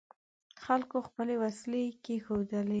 خلکو خپلې وسلې کېښودلې.